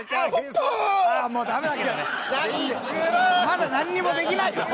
まだなんにもできないよ